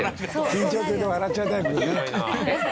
緊張すると笑っちゃうタイプだね。